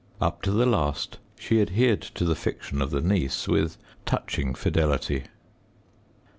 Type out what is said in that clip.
Up to the last she adhered to the fiction of the niece with touching fidelity.